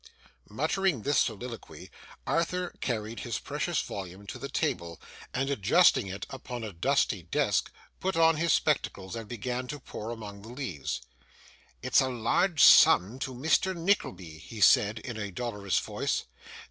Muttering this soliloquy, Arthur carried his precious volume to the table, and, adjusting it upon a dusty desk, put on his spectacles, and began to pore among the leaves. 'It's a large sum to Mr. Nickleby,' he said, in a dolorous voice.